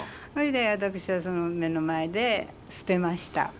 それで私は目の前で捨てました。